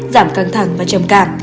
giảm căng thẳng và trầm càng